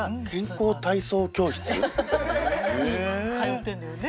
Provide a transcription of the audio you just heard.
通ってるのよね。